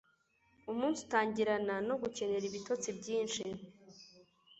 umunsi utangirana no gukenera ibitotsi byinshi